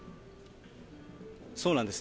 そうなんです。